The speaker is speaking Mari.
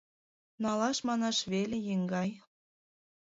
— Налаш манаш веле, еҥгай.